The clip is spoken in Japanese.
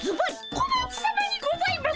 小町さまにございます！